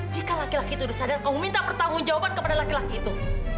jika laki laki itu disadar kamu minta pertanggung jawaban kepada laki laki itu